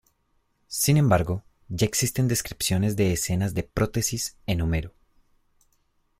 Sin embargo, ya existen descripciones de escenas de prótesis en Homero.